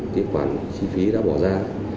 tiếp khoản chi phí đã bỏ ra